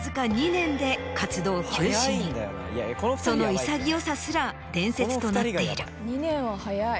その潔さすら伝説となっている。